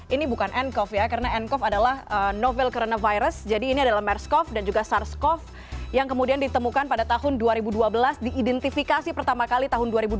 ini bukan ncov ya karena ncov adalah novel coronavirus jadi ini adalah mers cov dan juga sars cov yang kemudian ditemukan pada tahun dua ribu dua belas diidentifikasi pertama kali tahun dua ribu dua puluh